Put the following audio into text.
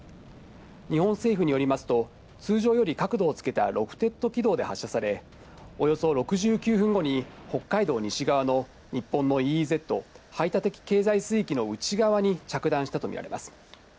日本政府によりますと、通常より角度をつけたロフテッド軌道で発射され、およそ６９分後に、北海道西側の日本のＥＥＺ・排他的経済水域の内側に着弾したと見られます。